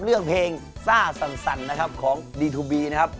เรื่องเพลงซ่าสั่นนะครับของดีทูบีนะครับ